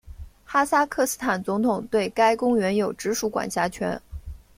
哈萨克斯坦总统对该公园有直属管辖权。